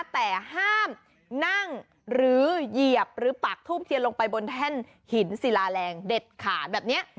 แต่ห้ามนั่งหรือเหยียบหรือปักทูบเทียนลงไปบนแท่นหินศิลาแรงเด็ดขาดแบบนี้